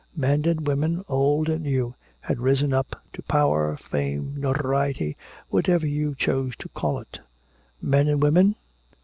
men and women old and new had risen up, to power, fame, notoriety, whatever you chose to call it. Men and women?